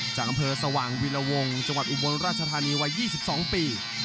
จากอำเภอสว่างวิลวงจังหวัดอุบลราชธานีวัย๒๒ปี